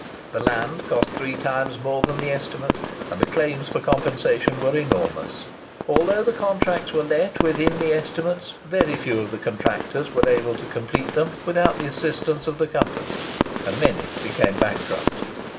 The land cost three times more than the estimate; and the claims for compensation were enormous. Although the contracts were let within the estimates, very few of the contractors were able to complete them without the assistance of the Company, and many became bankrupt.